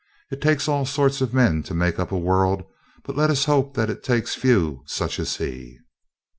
It takes all sorts of men to make up a world, but let us hope that it takes few such as he.